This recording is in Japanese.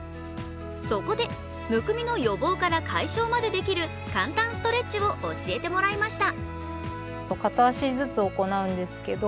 そこで、むくみの予防から解消までできる簡単ストレッチを教えてもらいました。